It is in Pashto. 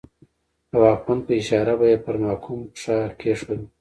د واکمن په اشاره به یې پر محکوم پښه کېښوده.